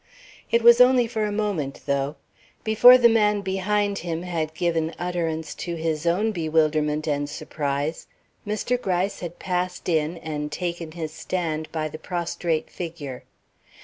It was only for a moment, though. Before the man behind him had given utterance to his own bewilderment and surprise, Mr. Gryce had passed in and taken his stand by the prostrate figure.